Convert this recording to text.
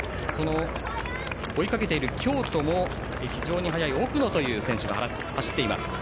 追いかけている京都も非常に早い奥野という選手が走っています。